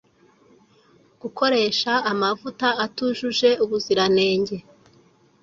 gukoresha amavuta atujuje ubuziranenge